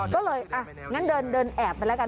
ก็เลยอ่ะงั้นเดินแอบไปแล้วกัน